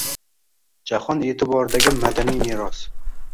Jahon e’tiboridagi madaniy meros